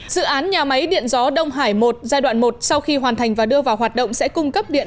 dự án nhà máy điện gió đông hải một giai đoạn một sau khi hoàn thành và đưa vào hoạt động sẽ cung cấp điện